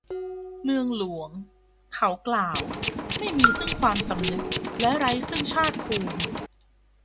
เมืองหลวง เขากล่าว ไม่มีซึ่งความสำนึกและไร้ซึ่งชาติภูมิ